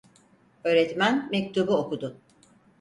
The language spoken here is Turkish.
Öğretmen mektubu okudu.